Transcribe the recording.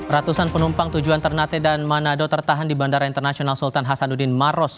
ratusan penumpang tujuan ternate dan manado tertahan di bandara internasional sultan hasanuddin maros